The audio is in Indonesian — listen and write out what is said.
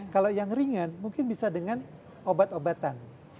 kalau yang ringan mungkin bisa dengan obat obatan